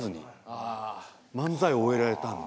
漫才を終えられたんで。